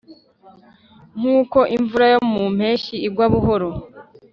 nkuko imvura yo mu mpeshyi igwa buhoro,